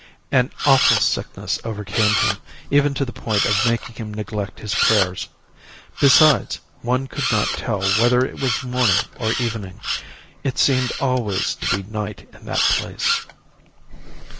An awful sickness overcame him, even to the point of making him neglect his prayers. Besides, one could not tell whether it was morning or evening. It seemed always to be night in that place.